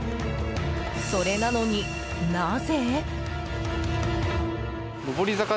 それなのに、なぜ？